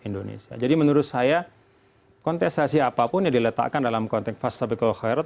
indonesia jadi menurut saya kontestasi apapun diletakkan dalam konteks pasti kekul kherot